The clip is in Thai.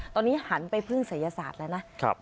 ตอนนี้หันไปพึ่งศัยศาสตร์แล้วนะ